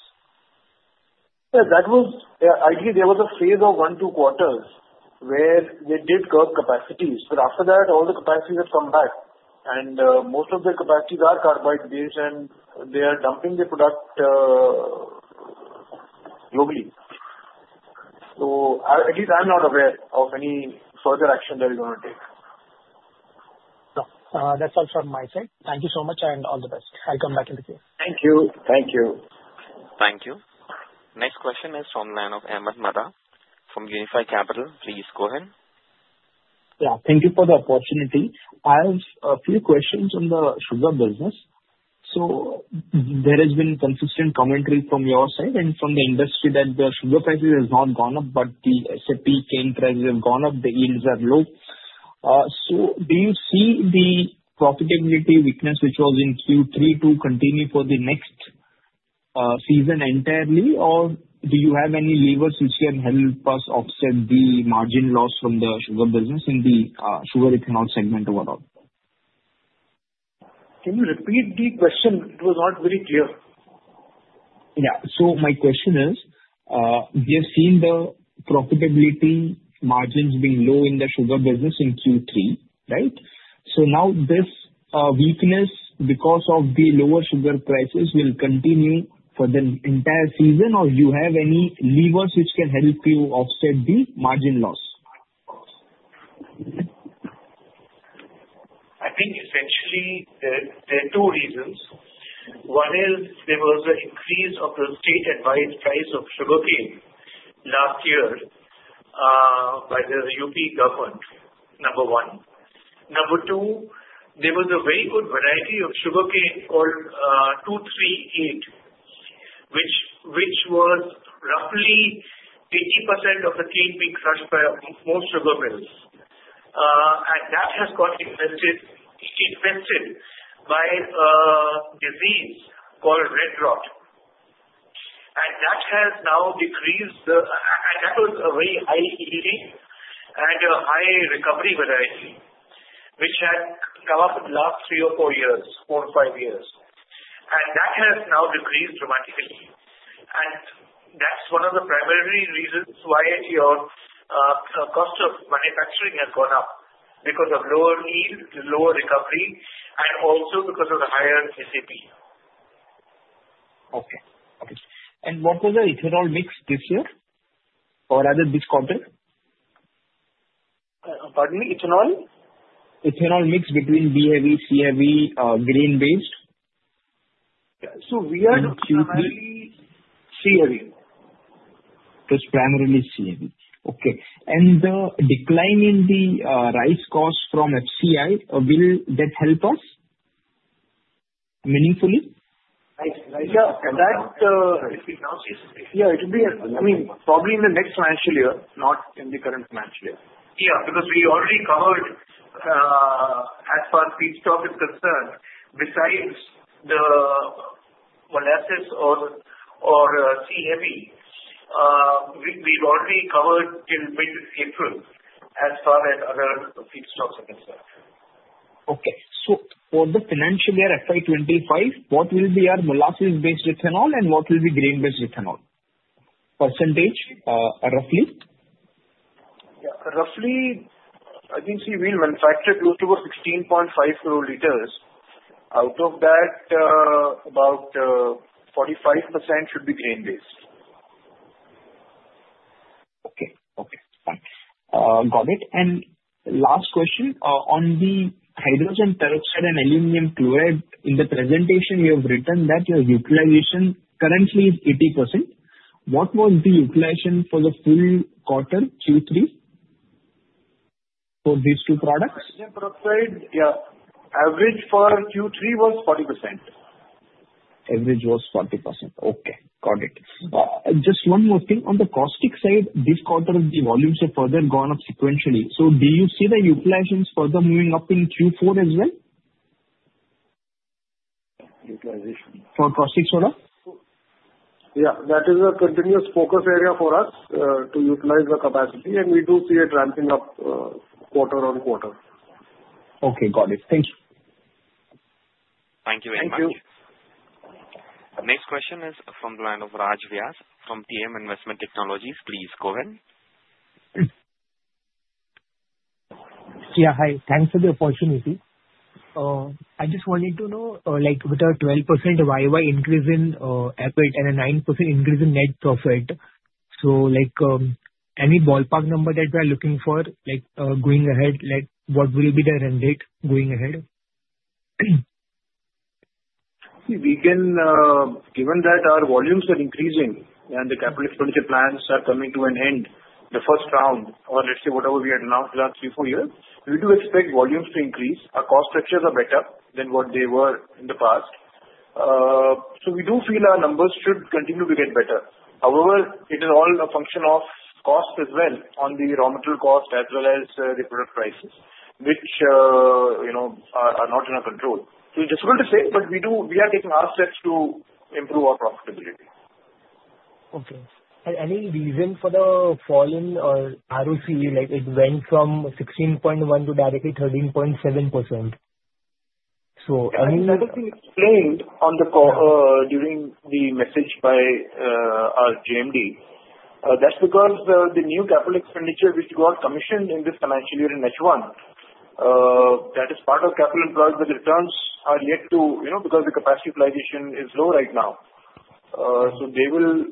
Yeah. Ideally, there was a phase of one to two quarters where they did curb capacities. But after that, all the capacities have come back, and most of the capacities are carbide-based, and they are dumping the product globally. So at least I'm not aware of any further action they're going to take. That's all from my side. Thank you so much and all the best. I'll come back in the queue. Thank you. Thank you. Thank you. Next question is from the line of Ahmed Madha from Unifi Capital. Please go ahead. Yeah. Thank you for the opportunity. I have a few questions on the sugar business. So there has been consistent commentary from your side and from the industry that the sugar prices have not gone up, but the SAP cane prices have gone up. The yields are low. So do you see the profitability weakness which was in Q3 to continue for the next season entirely, or do you have any levers which can help us offset the margin loss from the sugar business in the sugar and ethanol segment overall? Can you repeat the question? It was not very clear. Yeah. So my question is, we have seen the profitability margins being low in the sugar business in Q3, right? So now this weakness because of the lower sugar prices will continue for the entire season, or do you have any levers which can help you offset the margin loss? I think essentially there are two reasons. One is there was an increase of the state-advised price of sugarcane last year by the UP government, number one. Number two, there was a very good variety of sugarcane called 238, which was roughly 80% of the cane being crushed by most sugar mills. And that has got infested by a disease called red rot. And that has now decreased, and that was a very high-yielding and a high-recovery variety, which had come up in the last three or four years, four or five years. And that has now decreased dramatically. And that's one of the primary reasons why your cost of manufacturing has gone up because of lower yield, lower recovery, and also because of the higher SAP. Okay. Okay. And what was the ethanol mix this year? Or other discounted? Pardon me? Ethanol? Ethanol mix between B-Heavy, C-Heavy, grain-based? So we are primarily C-Heavy. Just primarily C-Heavy. Okay. And the decline in the rice cost from FCI, will that help us meaningfully? Right. Right. Yeah. It will be, I mean, probably in the next financial year, not in the current financial year. Yeah. Because we already covered, as far as feedstock is concerned, besides the molasses or C-Heavy, we've already covered till mid-April as far as other feedstocks are concerned. Okay. So for the financial year FY 2025, what will be our molasses-based ethanol and what will be grain-based ethanol? Percentage, roughly? Roughly, I think we've manufactured close to 16.5 crore liters. Out of that, about 45% should be grain-based. Okay. Okay. Got it. And last question on the hydrogen peroxide and aluminum chloride, in the presentation you have written that your utilization currently is 80%. What was the utilization for the full quarter, Q3, for these two products? Hydrogen peroxide, yeah. Average for Q3 was 40%. Average was 40%. Okay. Got it. Just one more thing. On the caustic side, this quarter, the volumes have further gone up sequentially. So do you see the utilization further moving up in Q4 as well? Utilization. For caustic soda? Yeah. That is a continuous focus area for us to utilize the capacity, and we do see it ramping up quarter on quarter. Okay. Got it. Thank you. Thank you very much. Thank you. Next question is from the line of Raj Vyas from TM Investment Technologies. Please go ahead. Yeah. Hi. Thanks for the opportunity. I just wanted to know, with a 12% YoY increase in EBITDA and a 9% increase in net profit, so any ballpark number that we are looking for going ahead, what will be the run rate going ahead? See, given that our volumes are increasing and the capital expenditure plans are coming to an end, the first round, or let's say whatever we had announced last Q4 year, we do expect volumes to increase. Our cost structures are better than what they were in the past. So we do feel our numbers should continue to get better. However, it is all a function of cost as well on the raw material cost as well as the product prices, which are not in our control. So it's difficult to say, but we are taking our steps to improve our profitability. Okay. Any reason for the fall in ROCE? It went from 16.1% to directly 13.7%. So any? That has been explained during the message by our JMD. That's because the new capital expenditure which got commissioned in this financial year in H1, that is part of capital employed with returns are yet to because the capacity utilization is low right now. So they will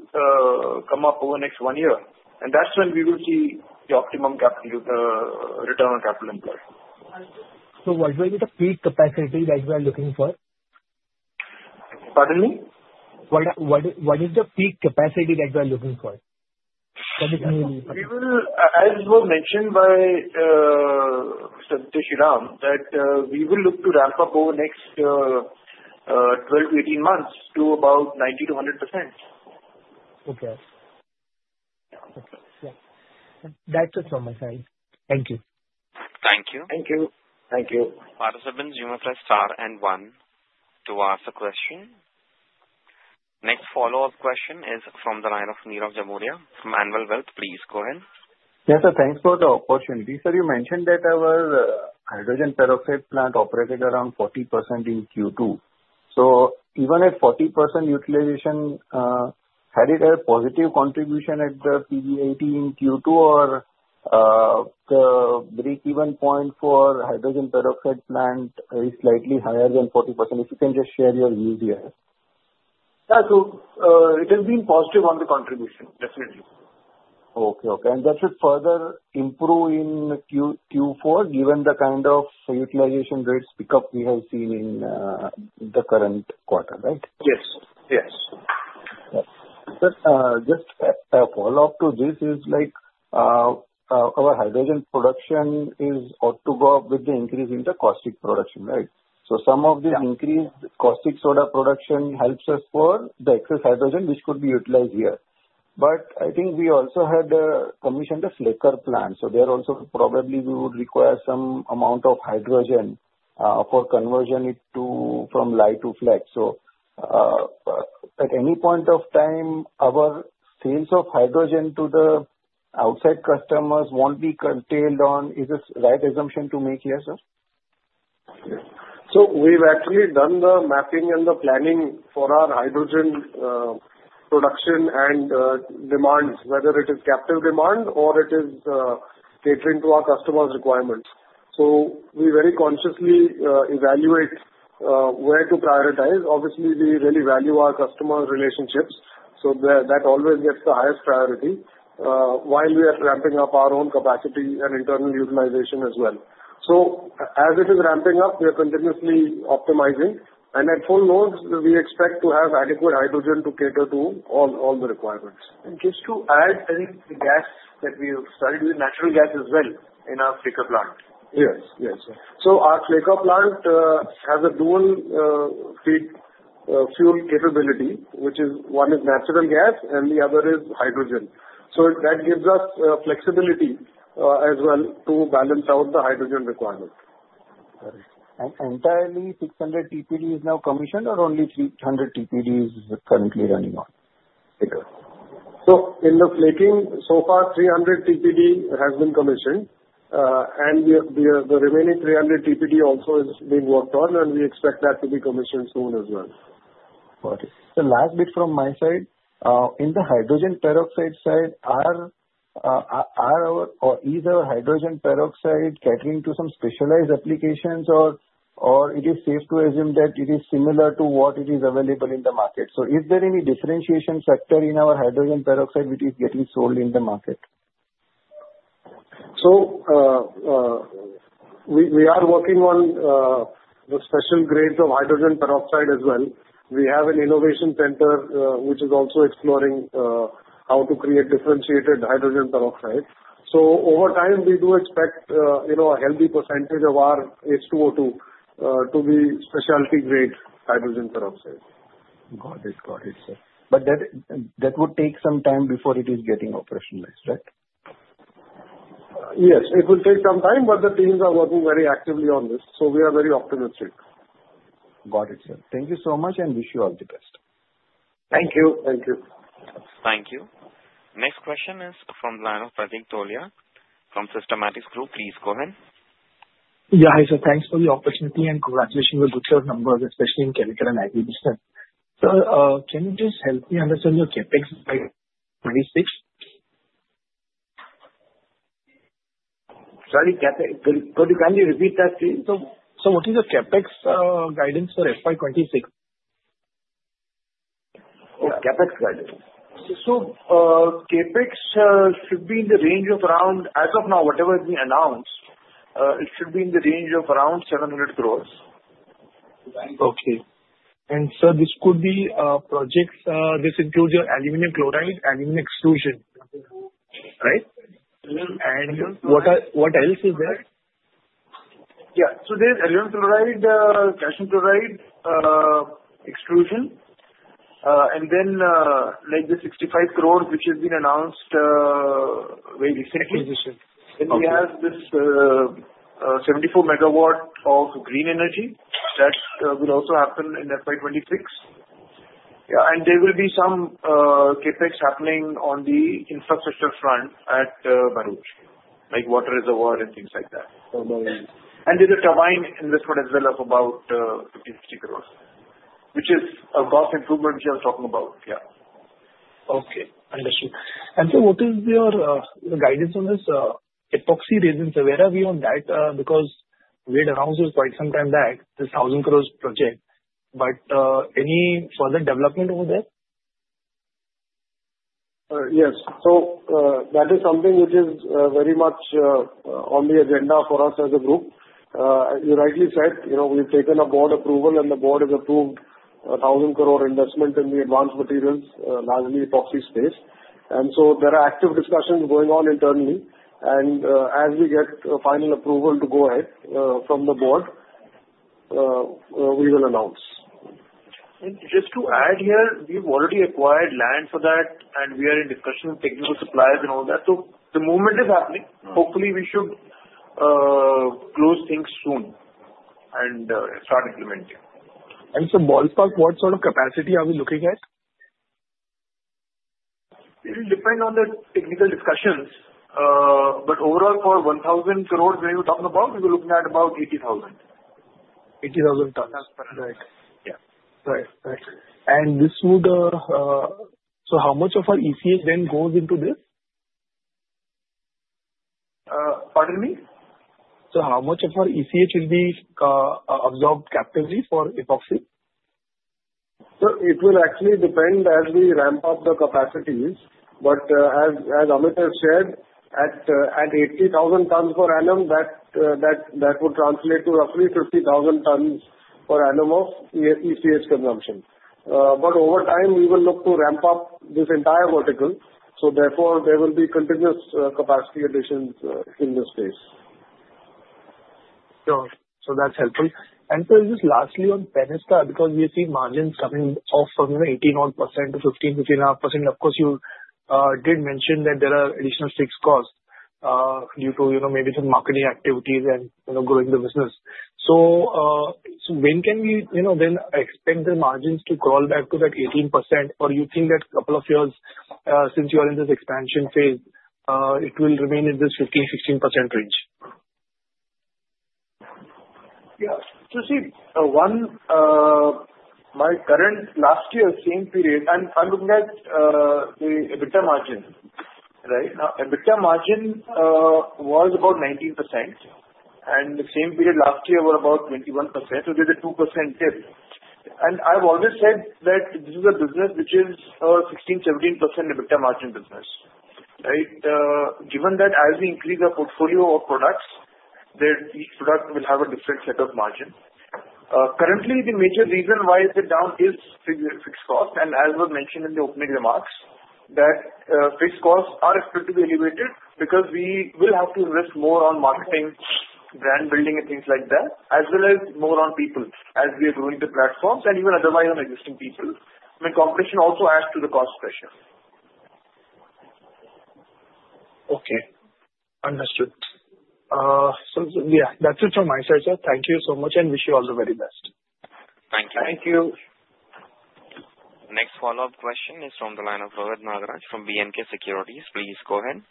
come up over the next one year. And that's when we will see the optimum return on capital employed. So what is the peak capacity that we are looking for? Pardon me? What is the peak capacity that we are looking for? That is newly. As was mentioned by Mr. Shriram, that we will look to ramp up over the next 12 to 18 months to about 90%-100%. Okay. Okay. Yeah. That's it from my side. Thank you. Thank you. Thank you. Thank you. Participants, you may press star and one to ask a question. Next follow-up question is from the line of Nirav Jimudia from Anvil Wealth. Please go ahead. Yes, sir. Thanks for the opportunity. Sir, you mentioned that our hydrogen peroxide plant operated around 40% in Q2. So even at 40% utilization, had it a positive contribution at the PBDIT in Q2, or the break-even point for hydrogen peroxide plant is slightly higher than 40%? If you can just share your view there. Yeah. So it has been positive on the contribution, definitely. Okay. Okay. And that should further improve in Q4, given the kind of utilization rates pickup we have seen in the current quarter, right? Yes. Yes. Sir, just a follow-up to this is our hydrogen production is ought to go up with the increase in the caustic production, right? So some of the increased caustic soda production helps us for the excess hydrogen, which could be utilized here. But I think we also had commissioned a flaker plant. So there also, probably, we would require some amount of hydrogen for lye to flakes, so at any point of time, our sales of hydrogen to the outside customers won't be curtailed on. Is this the right assumption to make here, sir? So we've actually done the mapping and the planning for our hydrogen production and demands, whether it is captive demand or it is catering to our customers' requirements, so we very consciously evaluate where to prioritize. Obviously, we really value our customer relationships, so that always gets the highest priority while we are ramping up our own capacity and internal utilization as well, so as it is ramping up, we are continuously optimizing, and at full load, we expect to have adequate hydrogen to cater to all the requirements. Just to add, I think the gas that we have started with natural gas as well in our flaker plant. Yes. Yes, sir. Our flaker plant has a dual feed fuel capability, which is one is natural gas and the other is hydrogen. That gives us flexibility as well to balance out the hydrogen requirement. Got it. Is entirely 600 TPD now commissioned or only 300 TPD is currently running on? In the flaking, so far, 300 TPD has been commissioned, and the remaining 300 TPD also is being worked on, and we expect that to be commissioned soon as well. Got it. The last bit from my side, in the hydrogen peroxide side, are our or is our hydrogen peroxide catering to some specialized applications, or it is safe to assume that it is similar to what it is available in the market? So is there any differentiation factor in our hydrogen peroxide which is getting sold in the market? So we are working on the special grades of hydrogen peroxide as well. We have an innovation center which is also exploring how to create differentiated hydrogen peroxide. So over time, we do expect a healthy percentage of our H2O2 to be specialty-grade hydrogen peroxide. Got it. Got it, sir. But that would take some time before it is getting operationalized, right? Yes. It will take some time, but the teams are working very actively on this. So we are very optimistic. Got it, sir. Thank you so much and wish you all the best. Thank you. Thank you. Thank you. Next question is from the line of Pratik Tholiya from Systematix Group. Please go ahead. Yeah. Hi, sir. Thanks for the opportunity and congratulations with good set of numbers, especially in chemical and agribusiness. Sir, can you just help me understand your CapEx by 2026? Sorry, can you repeat that, please? So what is your CapEx guidance for FY 2026? Oh, CapEx guidance. So CapEx should be in the range of around, as of now, whatever has been announced, it should be in the range of around 700 crores. Okay. And sir, this could be projects this includes your aluminum chloride aluminum extrusion, right? And what else is there? Yeah. So there is aluminum chloride, calcium chloride extrusion, and then the 65 crores which has been announced very recently. And we have this 74 MW of green energy. That will also happen in FY 2026. Yeah. And there will be some CapEx happening on the infrastructure front at Bharuch, like water reservoir and things like that. There's a turbine investment as well of about 50 crore-60 crore, which is a vast improvement which I was talking about. Yeah. Okay. Understood. And sir, what is your guidance on this epoxy resin? So where are we on that? Because we had announced it quite some time back, this 1,000 crore project. But any further development over there? Yes. So that is something which is very much on the agenda for us as a group. You rightly said, we've taken a board approval, and the board has approved 1,000 crore investment in the advanced materials, largely epoxy space. And so there are active discussions going on internally. And as we get final approval to go ahead from the board, we will announce. And just to add here, we've already acquired land for that, and we are in discussion with technical suppliers and all that. So the movement is happening. Hopefully, we should close things soon and start implementing. And sir, ballpark, what sort of capacity are we looking at? It will depend on the technical discussions. But overall, for 1,000 crores we're talking about, we're looking at about 80,000. 80,000 tons. Right. Yeah. Right. Right. And this would so how much of our ECH then goes into this? Pardon me? So how much of our ECH will be absorbed captively for epoxy? So it will actually depend as we ramp up the capacities. But as Amit has shared, at 80,000 tons per annum, that would translate to roughly 50,000 tons per annum of ECH consumption. But over time, we will look to ramp up this entire vertical. So therefore, there will be continuous capacity additions in this space. Sure. So that's helpful. And, sir, just lastly on Fenesta, because we see margins coming off from 18-odd% to 15%-15-odd%, of course. You did mention that there are additional fixed costs due to maybe some marketing activities and growing the business. So when can we then expect the margins to crawl back to that 18%? Or you think that a couple of years since you are in this expansion phase, it will remain in this 15%-16% range? Yeah. So see, my current last year, same period, I'm looking at the EBITDA margin, right? Now, EBITDA margin was about 19%, and the same period last year was about 21%. So there's a 2% dip. And I've always said that this is a business which is a 16%-17% EBITDA margin business, right? Given that as we increase our portfolio of products, each product will have a different set of margin. Currently, the major reason why it's down is fixed costs. And as was mentioned in the opening remarks, that fixed costs are expected to be elevated because we will have to invest more on marketing, brand building, and things like that, as well as more on people as we are growing the platforms and even otherwise on existing people. I mean, competition also adds to the cost pressure. Okay. Understood. So yeah, that's it from my side, sir. Thank you so much and wish you all the very best. Thank you. Thank you. Next follow-up question is from the line of Rohit Nagraj from B&K Securities. Please go ahead.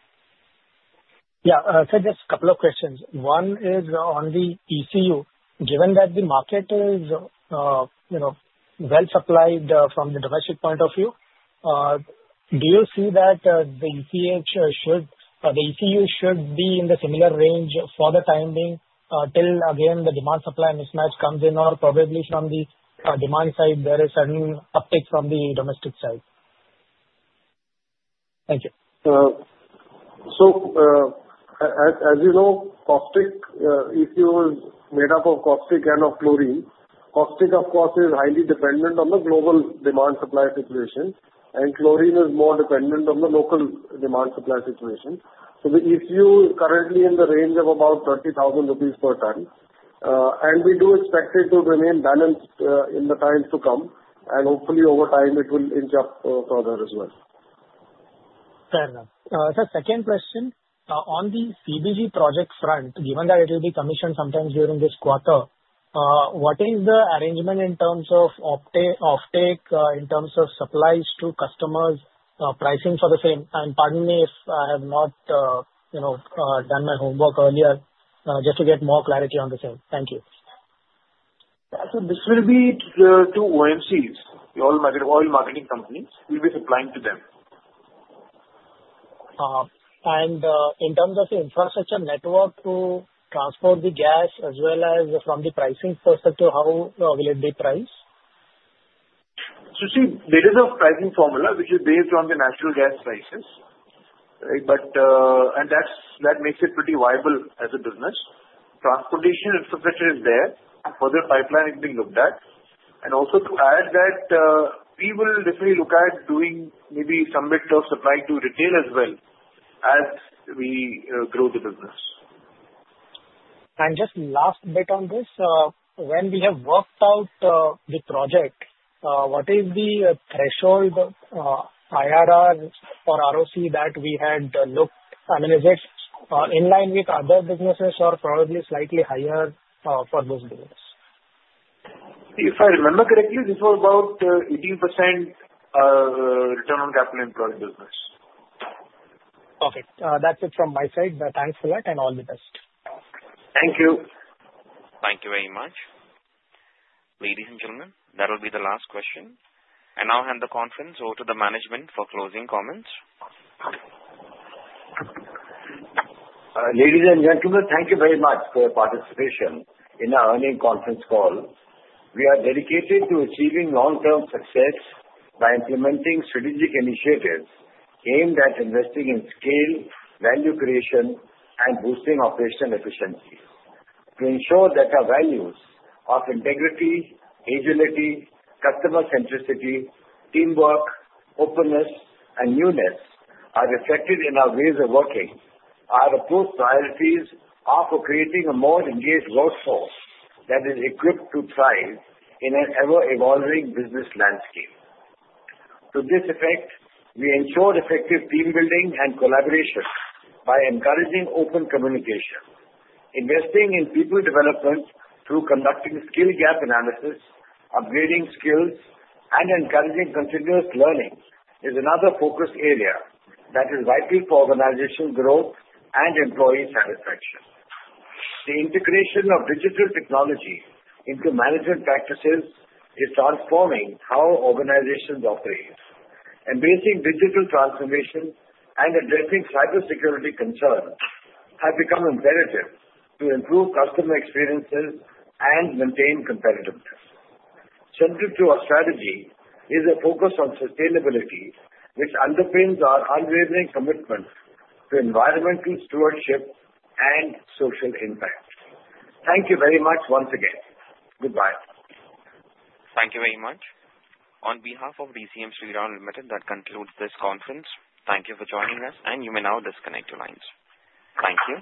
Yeah. Sir, just a couple of questions. One is on the ECU. Given that the market is well supplied from the domestic point of view, do you see that the ECU should be in the similar range for the time being till, again, the demand-supply mismatch comes in, or probably from the demand side, there is sudden uptick from the domestic side? Thank you. So as you know, ECU is made up of caustic and of chlorine. Caustic, of course, is highly dependent on the global demand-supply situation, and chlorine is more dependent on the local demand-supply situation. So the ECU is currently in the range of about 30,000 rupees per ton. And we do expect it to remain balanced in the times to come. And hopefully, over time, it will inch up further as well. Fair enough. Sir, second question. On the CBG project front, given that it will be commissioned sometime during this quarter, what is the arrangement in terms of off-take, in terms of supplies to customers, pricing for the same? And pardon me if I have not done my homework earlier, just to get more clarity on the same. Thank you. So this will be to OMCs, the oil marketing companies. We'll be supplying to them. And in terms of the infrastructure network to transport the gas, as well as from the pricing perspective, how will it be priced? So see, there is a pricing formula which is based on the natural gas prices, right? And that makes it pretty viable as a business. Transportation infrastructure is there. Further pipeline is being looked at. Also to add that we will definitely look at doing maybe some bit of supply to retail as well as we grow the business. Just last bit on this, when we have worked out the project, what is the threshold IRR or ROC that we had looked? I mean, is it in line with other businesses or probably slightly higher for those businesses? If I remember correctly, this was about 18% return on capital employed business. Okay. That's it from my side. Thanks for that and all the best. Thank you. Thank you very much. Ladies and gentlemen, that will be the last question. And I'll hand the conference over to the management for closing comments. Ladies and gentlemen, thank you very much for your participation in our earnings conference call. We are dedicated to achieving long-term success by implementing strategic initiatives aimed at investing in scale, value creation, and boosting operational efficiency. To ensure that our values of integrity, agility, customer centricity, teamwork, openness, and newness are reflected in our ways of working, our approved priorities are for creating a more engaged workforce that is equipped to thrive in an ever-evolving business landscape. To this effect, we ensure effective team building and collaboration by encouraging open communication. Investing in people development through conducting skill gap analysis, upgrading skills, and encouraging continuous learning is another focus area that is vital for organizational growth and employee satisfaction. The integration of digital technology into management practices is transforming how organizations operate. Embracing digital transformation and addressing cybersecurity concerns have become imperative to improve customer experiences and maintain competitiveness. Central to our strategy is a focus on sustainability, which underpins our unwavering commitment to environmental stewardship and social impact. Thank you very much once again. Goodbye. Thank you very much. On behalf of DCM Shriram Limited, that concludes this conference. Thank you for joining us, and you may now disconnect your lines. Thank you.